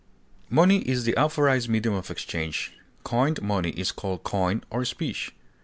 Money is the authorized medium of exchange; coined money is called coin or specie.